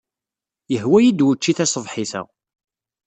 Yehwa-iyi-d wucci taṣebḥit-a.